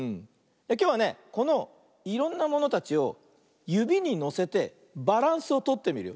きょうはねこのいろんなものたちをゆびにのせてバランスをとってみるよ。